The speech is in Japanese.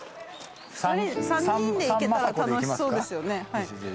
３人でいけたら楽しそうですよね。